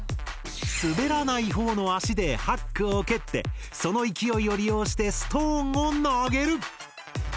滑らない方の足でハックを蹴ってその勢いを利用してストーンを投げる！